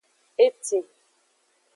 Etin.